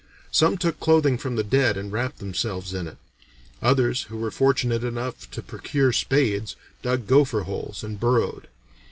Some took clothing from the dead and wrapped themselves in it; others, who were fortunate enough to procure spades, dug gopher holes, and burrowed.